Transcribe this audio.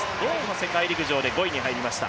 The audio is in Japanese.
世界陸上で５位に入りました。